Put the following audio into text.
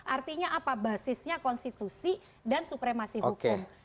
artinya apa basisnya konstitusi dan supremasi hukum